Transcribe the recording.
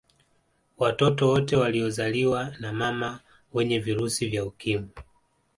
Watoto wote waliozaliwa na mama wenye virusi vya Ukimwi